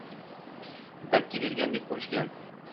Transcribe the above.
dakki bergandek bo‘lishgan.